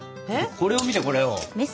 これを見てこれを。